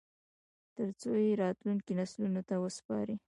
ترڅو یې راتلونکو نسلونو ته وسپاري